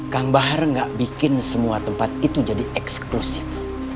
kang bahar nggak bikin semua tempat itu jadi eksklusif